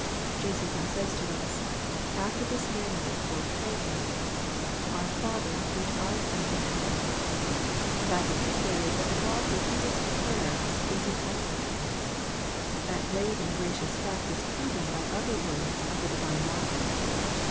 Jesus now says to us, " After this man ner therefore pray ye ; Our Father which art in the heavens." That is to say that the God who hears prayer is in all the heavens. That great and gracious fact is proven by other words of the Di vine oracles.